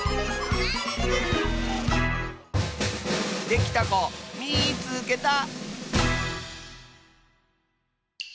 できたこみいつけた！